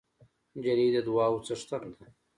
نجلۍ د دعاوو څښتنه ده.